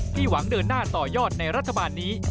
หวังเดินหน้าต่อยอดในรัฐบาลนี้